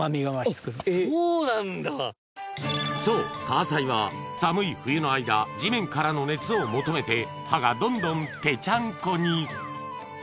そうタアサイは寒い冬の間地面からの熱を求めて葉がどんどんぺちゃんこにそうそう甘みが。